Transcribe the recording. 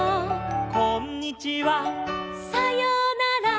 「こんにちは」「さようなら」